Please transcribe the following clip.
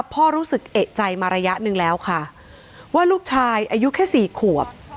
พ่อรู้สึกเอกใจมาระยะหนึ่งแล้วค่ะว่าลูกชายอายุแค่สี่ขวบ